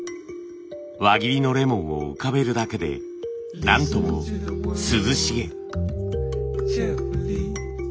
輪切りのレモンを浮かべるだけで何とも涼しげ。